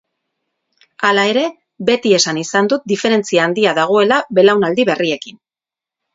Hala ere, beti esan izan dut diferentzia handia dagoela belaunaldi berriekin.